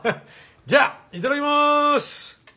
じゃあいただきます。